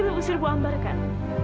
mau usir bu ambar kan